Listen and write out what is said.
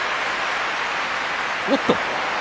おっと！